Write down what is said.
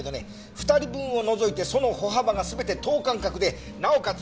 ２人分を除いてその歩幅が全て等間隔でなおかつ